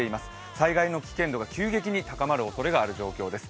災害の危険度が急激に高まるおそれがある状況です。